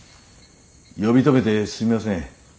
呼び止めてすみません。